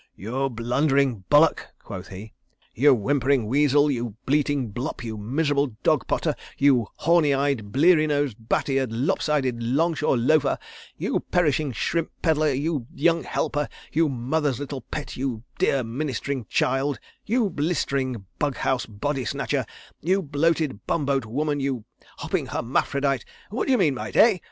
"You blundering bullock," quoth he; "you whimpering weasel; you bleating blup; you miserable dog potter; you horny eyed, bleary nosed, bat eared, lop sided, longshore loafer; you perishing shrimp peddler; you Young Helper; you Mother's Little Pet; you dear Ministering Child; you blistering bug house body snatcher; you bloated bumboat woman; you hopping hermaphrodite—what d'ye mean by it? Eh?